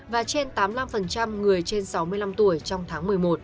và trên tám mươi năm người trên sáu mươi năm tuổi trong tháng một mươi một